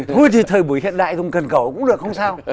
thôi thì thời buổi hiện đại dùng cân cẩu cũng được không sao